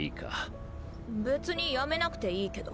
別にやめなくていいけど。え？